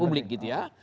publik gitu ya